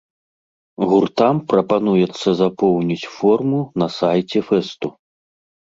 Гуртам прапануецца запоўніць форму на сайце фэсту.